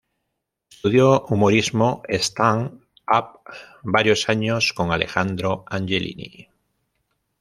Estudió humorismo stand up varios años con Alejandro Angelini.